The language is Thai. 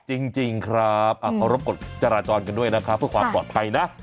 จริงจริงครับอ่าพรบกฎจราจรกันด้วยนะคะเพื่อความปลอดภัยนะ